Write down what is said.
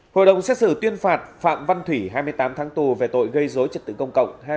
hội đồng xét xử tuyên phạt phạm văn thủy hai mươi tám tháng tù về tội gây dối trật tự công cộng